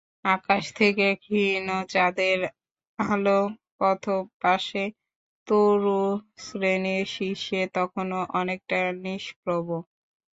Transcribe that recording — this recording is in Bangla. আকাশ থেকে ক্ষীণ চাঁদের আলো পথপাশে তরু শ্রেণির শীর্ষে তখনও অনেকটা নিষ্প্রভ।